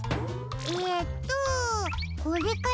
えっとこれかな？